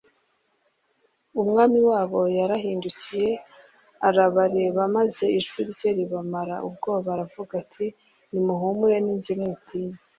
umwami wabo yarahindukiye arabareba, maze ijwi rye ribamara ubwoba, aravuga ati, “nimuhumure, ni jye, mwitinya